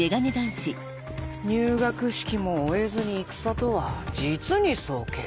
入学式も終えずに戦とは実に早計。